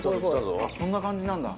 そんな感じなんだ。